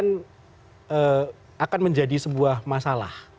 ini akan menjadi sebuah masalah